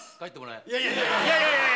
いやいやいやいや殿。